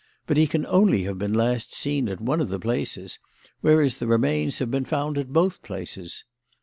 But he can only have been last seen at one of the places, whereas the remains have been found at both places.